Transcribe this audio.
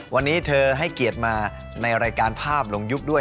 วันนี้เธอให้เกียรติมาในรายการภาพลงยุคด้วย